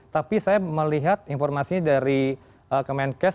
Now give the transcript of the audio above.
tapi saya melihat informasi dari kemenkes